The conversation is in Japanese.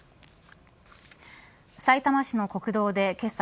さいたま市の国道でけさ